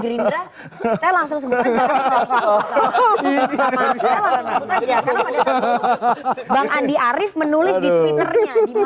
karena pada saat itu bang andi arief menulis di twitternya